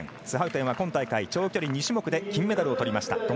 スハウテンは今大会長距離２種目で金メダルをとりました。